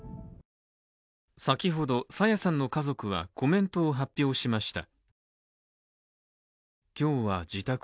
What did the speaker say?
先ほど朝芽さんの家族はコメントを発表しました。